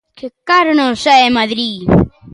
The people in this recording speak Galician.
Que caro nos sae Madrid!